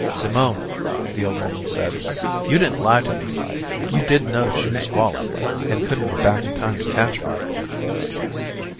"Simone," the old woman said. "You didn't lie to me? You did know she was falling, and couldn't get back in time to catch her?"